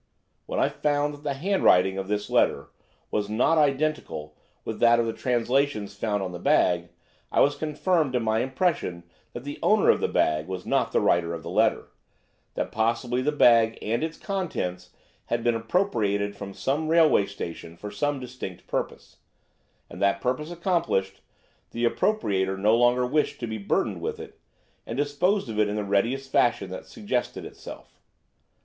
When I found that the handwriting of this letter was not identical with that of the translations found in the bag, I was confirmed in my impression that the owner of the bag was not the writer of the letter; that possibly the bag and its contents had been appropriated from some railway station for some distinct purpose; and, that purpose accomplished, the appropriator no longer wished to be burthened with it, and disposed of it in the readiest fashion that suggested itself.